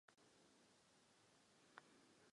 Pak se do státních služeb vrátil.